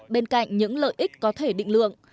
bên cạnh những lợi ích có thể định lượng